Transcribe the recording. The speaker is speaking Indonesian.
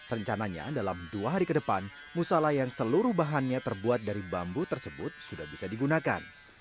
rencananya dalam dua hari ke depan musala yang seluruh bahannya terbuat dari bambu tersebut sudah bisa digunakan